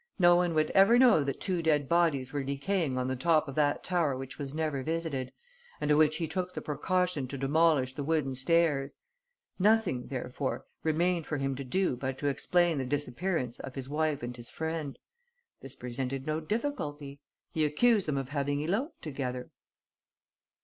No one would ever know that two dead bodies were decaying on the top of that tower which was never visited and of which he took the precaution to demolish the wooden stairs. Nothing therefore remained for him to do but to explain the disappearance of his wife and his friend. This presented no difficulty. He accused them of having eloped together."